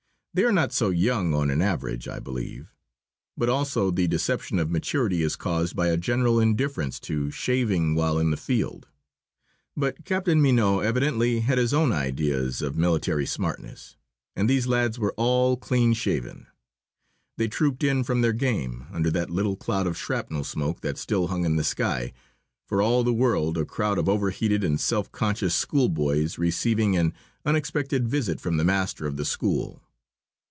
They are not so young, on an average, I believe. But also the deception of maturity is caused by a general indifference to shaving while in the field. But Captain Mignot evidently had his own ideas of military smartness, and these lads were all clean shaven. They trooped in from their game, under that little cloud of shrapnel smoke that still hung in the sky, for all the world a crowd of overheated and self conscious schoolboys receiving an unexpected visit from the master of the school.